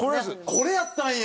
これやったんや！